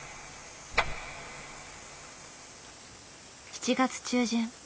７月中旬。